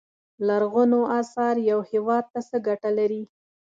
لرغونو اثار یو هیواد ته څه ګټه لري.